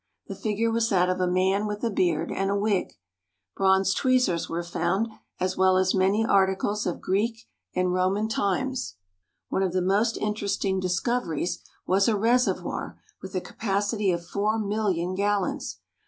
The figure was that of a man with a beard and a wig. Bronze tweezers were found as well as many articles of Greek and Roman times. One of the most interesting discov eries was a reservoir with a capacity of four million gallons.